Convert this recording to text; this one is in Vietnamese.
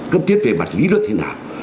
cấp thiết về mặt lý luận thế nào